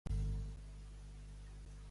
Qui ofèn venjança tem.